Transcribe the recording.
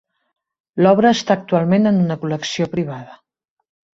L'obra està actualment en una col·lecció privada.